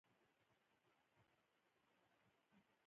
ښه سلوک د ښې راتلونکې راز دی.